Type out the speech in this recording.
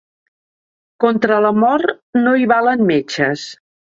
Contra la mort no hi valen metges.